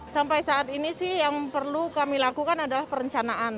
sampai saat ini sih yang perlu kami lakukan adalah perencanaan